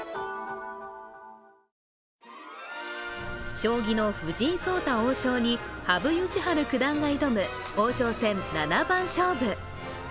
将棋の藤井聡太王将に羽生善治九段が挑む王将戦七番勝負。